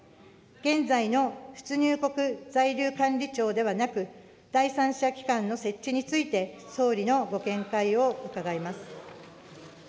現在の出入国在留管理庁ではなく、第三者機関の設置について、総理のご見解を伺います。